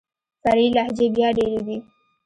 فرعي لهجې بيا ډېري دي.